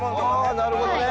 あなるほどね。